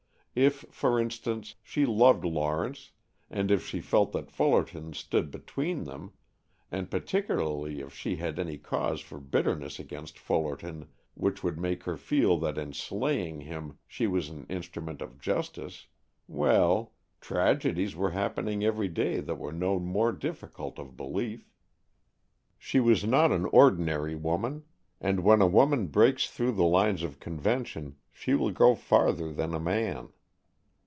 If, for instance, she loved Lawrence, and if she felt that Fullerton stood between them, and particularly if she had any cause for bitterness against Fullerton which would make her feel that in slaying him she was an instrument of justice, well, tragedies were happening every day that were no more difficult of belief. She was not an ordinary woman; and when a woman breaks through the lines of convention she will go farther than a man.